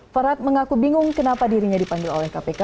farhad mengaku bingung kenapa dirinya dipanggil oleh kpk